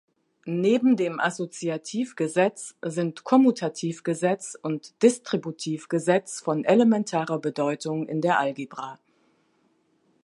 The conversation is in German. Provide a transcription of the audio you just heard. Neben dem Assoziativgesetz sind Kommutativgesetz und Distributivgesetz von elementarer Bedeutung in der Algebra.